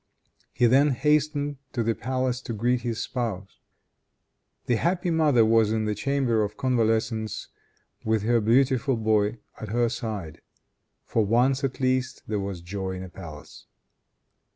He then hastened to the palace to greet his spouse. The happy mother was in the chamber of convalescence with her beautiful boy at her side. For once, at least, there was joy in a palace.